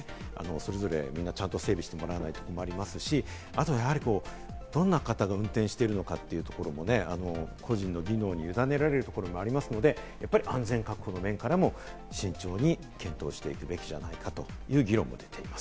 それぞれみんなちゃんと整備してもらわないと困りますし、あと、どんな方が運転しているのか？というところも個人の技能に委ねられることもありますので、安全確保の面からも慎重に検討していくべきじゃないかという議論も出ています。